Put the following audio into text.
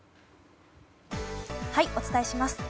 お伝えします。